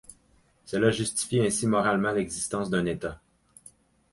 Cela justifie ainsi moralement l'existence d'un État.